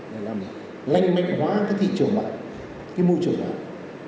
để làm lành mạnh hóa cái thị trường mạng cái môi trường mạng